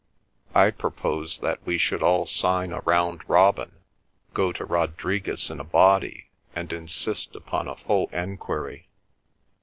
I propose that we should all sign a Round Robin, go to Rodriguez in a body, and insist upon a full enquiry.